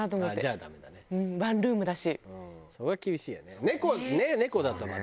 それは厳しいよね。